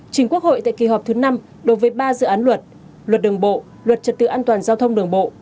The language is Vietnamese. trình quốc hội tại kỳ họp thứ năm đối với ba dự án luật luật đường bộ luật trật tự an toàn giao thông đường bộ